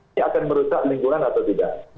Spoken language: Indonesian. ini akan merusak lingkungan atau tidak